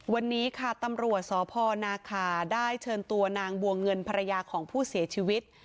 วันนี้ค่ะตำรวจสพนาคาได้เชิญตัวนางบัวเงินภรรยาของผู้เสียชีวิต